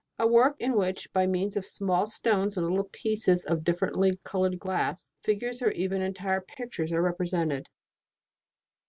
A work, in which, by means of small stones and little pieces of differently coloured glass, figures or even entire pictures are represented.